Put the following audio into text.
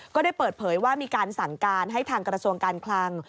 ก็ได้เปิดเผยว่ามีการสั่งการให้ทางกระทรวงการคลัง